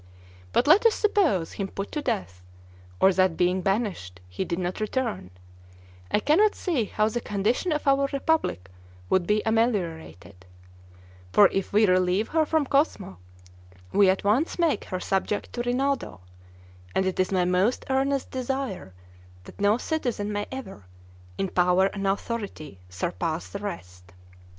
But let us suppose him put to death, or that being banished, he did not return, I cannot see how the condition of our republic would be ameliorated; for if we relieve her from Cosmo, we at once make her subject to Rinaldo, and it is my most earnest desire that no citizen may ever, in power and authority, surpass the rest.